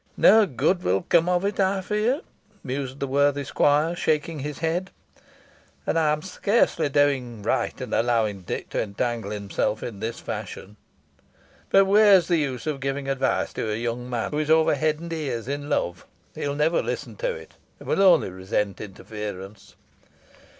"No good will come of it, I fear," mused the worthy squire, shaking his head, "and I am scarcely doing right in allowing Dick to entangle himself in this fashion. But where is the use of giving advice to a young man who is over head and ears in love? He will never listen to it, and will only resent interference.